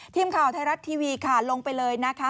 ทีมข่าวไทยรัฐทีวีค่ะลงไปเลยนะคะ